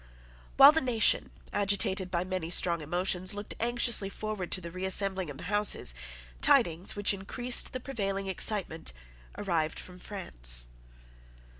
While the nation, agitated by many strong emotions, looked anxiously forward to the reassembling of the Houses, tidings, which increased the prevailing excitement, arrived from France.